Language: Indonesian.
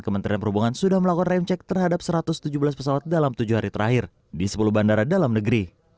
kementerian perhubungan sudah melakukan rem cek terhadap satu ratus tujuh belas pesawat dalam tujuh hari terakhir di sepuluh bandara dalam negeri